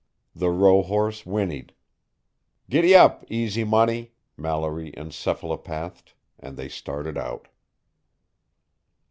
The rohorse whinnied. Giddy ap, Easy Money, Mallory encephalopathed, and they started out.